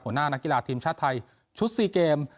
หัวหน้านักกีฬาทีมชาติไทยชุด๔เกม